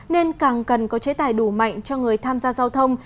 nên càng cần có chế tài đủ mạnh cho người tham gia giao thông